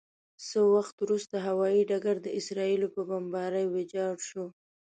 څه وخت وروسته هوايي ډګر د اسرائیلو په بمبارۍ ویجاړ شو.